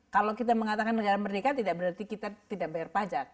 kalau kita mengatakan negara merdeka tidak berarti kita tidak bayar pajak